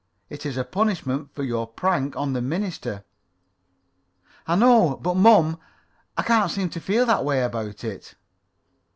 It is a punishment for your prank on the minister." "I know it, but, mom, I can't seem to feel that way about it."